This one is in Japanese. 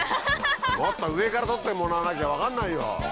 もっと上から撮ってもらわなきゃ分かんないよ。